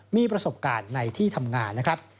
มีประสบการณ์ในที่ทำงานนะครับ